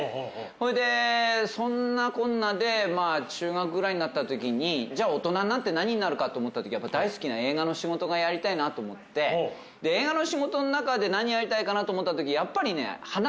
それでそんなこんなで中学ぐらいになったときにじゃあ大人になって何になるかと思ったときに大好きな映画の仕事がやりたいなと思ってで映画の仕事の中で何やりたいかなって思ったときやっぱりね。